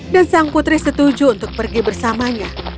dan sang putri setuju untuk pergi bersamanya